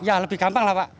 ya lebih gampang lah pak